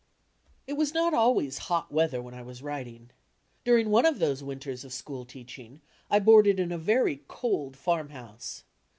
It was not always hot weather when I was writing. Dur ing one of those winters of school teaching I boarded in a very cold farmhouse.